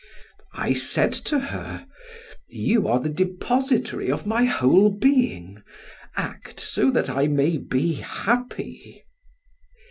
I said to her, "You are the depository of my whole being, act so that I may be happy."